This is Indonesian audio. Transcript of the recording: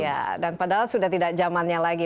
iya dan padahal sudah tidak zamannya lagi